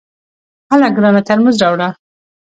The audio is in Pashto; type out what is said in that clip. هله ګرانه ترموز راوړه !